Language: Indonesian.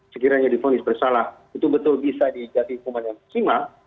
sekiranya diponis bersalah itu betul bisa dijadikan hukuman yang maksimal